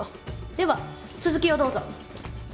では続きをどうぞ。